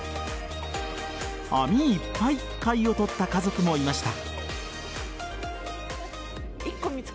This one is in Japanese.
網いっぱい貝を採った家族もいました。